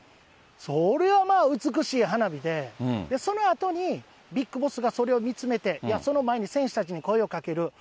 それはまあ美しい花火で、そのあとにビッグボスがそれを見つめて、いや、その前に選手たちに声をかける。